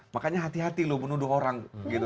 makanya hati hati loh menuduh orang